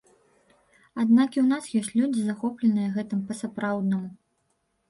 Аднак і ў нас ёсць людзі, захопленыя гэтым па-сапраўднаму.